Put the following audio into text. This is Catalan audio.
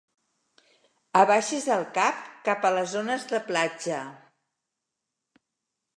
Abaixes el cap cap a les zones de platja.